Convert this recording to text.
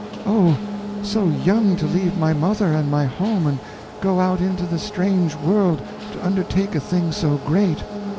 oh, so young to leave my mother and my home and go out into the strange world to undertake a thing so great!